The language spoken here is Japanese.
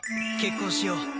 結婚しよう。